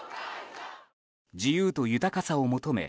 自由と豊かさを求め